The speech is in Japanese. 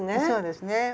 そうですね。